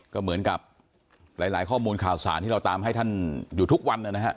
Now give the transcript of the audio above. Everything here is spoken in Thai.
ก็เหมือนกับหลายข้อมูลข่าวสารที่เราตามให้ท่านอยู่ทุกวันนะฮะ